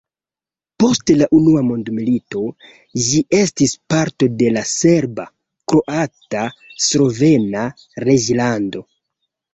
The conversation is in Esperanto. Post la unua mondmilito, ĝi estis parto de la Serba-Kroata-Slovena Reĝlando.